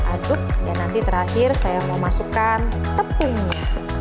aduk dan nanti terakhir saya mau masukkan tepungnya